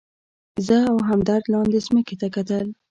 زه او همدرد لاندې مځکې ته کتل.